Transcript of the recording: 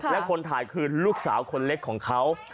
และคนถ่ายคือลูกสาวคนเล็กของเขา